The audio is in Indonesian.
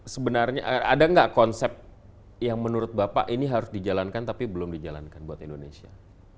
sebenarnya ada nggak konsep yang menurut bapak ini harus dijalankan tapi belum dijalankan buat indonesia